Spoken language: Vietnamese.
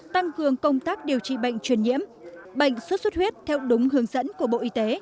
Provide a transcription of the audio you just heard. tăng cường công tác điều trị bệnh truyền nhiễm bệnh xuất xuất huyết theo đúng hướng dẫn của bộ y tế